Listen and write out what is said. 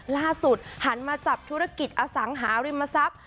หันมาจับธุรกิจอสังหาริมทรัพย์